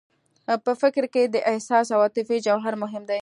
په فکر کې د احساس او عاطفې جوهر مهم دی